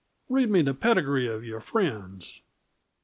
"Read me the pedigree of your friends."